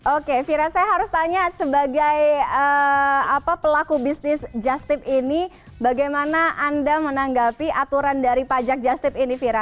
oke fira saya harus tanya sebagai pelaku bisnis justip ini bagaimana anda menanggapi aturan dari pajak just tip ini vira